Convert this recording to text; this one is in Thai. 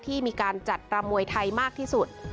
ที่มีการจัดรำมวยไทยมากที่สุด